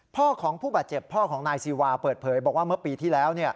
พ่อของผู้บาดเจ็บพ่อของนายซีวาเปิดเผยบอกว่าเมื่อปีที่แล้ว